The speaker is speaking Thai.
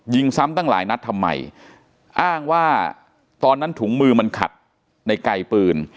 ซ้ำตั้งหลายนัดทำไมอ้างว่าตอนนั้นถุงมือมันขัดในไกลปืน